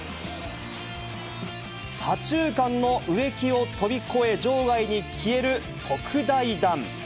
左中間の植木を飛び越え、場外に消える特大弾。